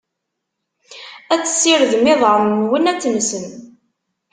Ad tessirdem iḍarren-nwen, ad tensem.